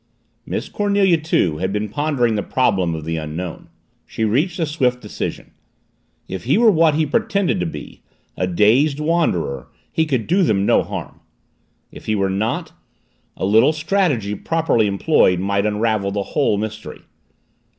Miss Cornelia, too, had been pondering the problem of the Unknown. She reached a swift decision. If he were what he pretended to be a dazed wanderer, he could do them no harm. If he were not a little strategy properly employed might unravel the whole mystery.